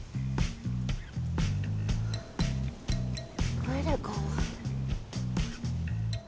トイレか。